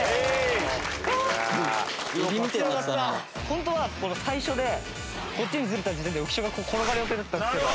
ホントはこの最初でこっちにずれた時点で浮所が転がる予定だったんですよ。